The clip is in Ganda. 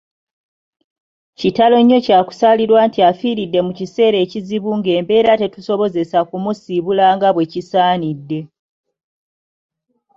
Kitalo nnyo kya kusaalirwa nti afiiridde mu kiseera ekizibu ng'embeera tetusobozesa kumusiibula nga bwe kisaanidde.